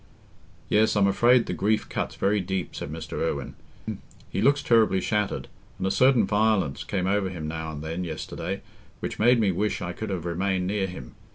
"Yes, I'm afraid the grief cuts very deep," said Mr. Irwine. "He looks terribly shattered, and a certain violence came over him now and then yesterday, which made me wish I could have remained near him.